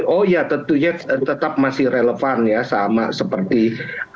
oh ya tentunya tetap masih relevan ya sama seperti